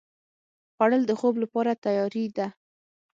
خوړل د خوب لپاره تیاري ده